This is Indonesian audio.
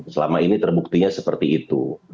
selama ini terbuktinya seperti itu